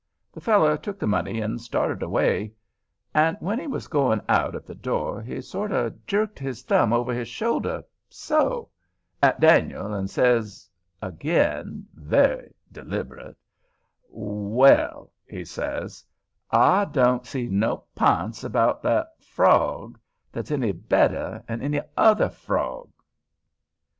The feller took the money and started away; and when he was going out at the door, he sorter jerked his thumb over his shoulder—so—at Dan'l, and says again, very deliberate, "Well," he says, "I don't see no p'ints about that frog that's any better'n any other frog."